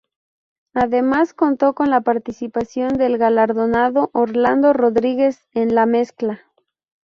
Además contó con la participación del galardonado Orlando Rodríguez en la mezcla.